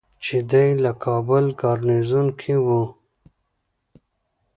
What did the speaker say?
چې دی د کابل ګارنیزیون کې ؤ